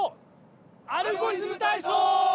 「アルゴリズムたいそう」！